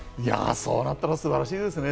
そうなったら素晴らしいですね。